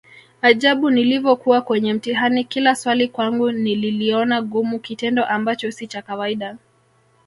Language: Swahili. Ajabu nilivokuwa kwenye mtihani kila swali kwangu nililiona gumu kitendo Ambacho si cha kawaida